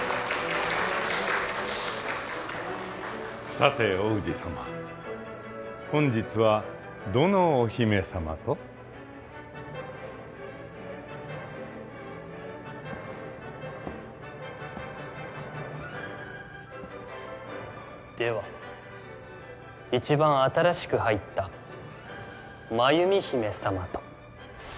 さて王子さま本日はどのお姫さまと？では一番新しく入った真弓姫さまと。